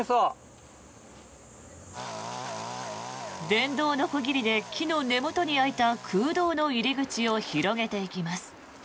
電動のこぎりで木の根元に開いた空洞の入り口を広げていきます。